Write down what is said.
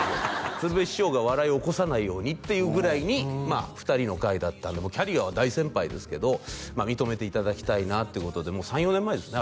鶴瓶師匠が笑い起こさないようにっていうぐらいにまあ２人の会だったんでキャリアは大先輩ですけど認めていただきたいなってことでもう３４年前ですね